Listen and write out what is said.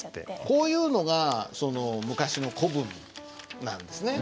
こういうのがその昔の古文なんですね。